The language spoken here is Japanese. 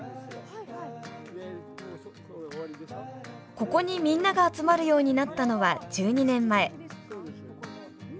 ここにみんなが集まるようになったのは１２年前。